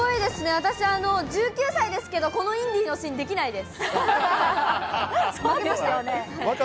私、１９歳ですけれども、このインディのシーン、できないです。